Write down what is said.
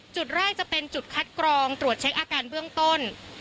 จุดแรกจะเป็นจุดคัดกรองตรวจเช็คอาการเบื้องต้น